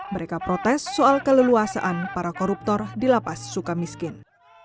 mereka protes soal keleluasaan para koruptor di lapas sukamiskin